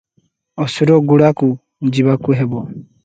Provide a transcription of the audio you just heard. ଅସୁରଗୁଡାକୁ ଯିବାକୁ ହେବ ।